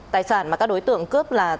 tài sản mà các đối tượng cướp là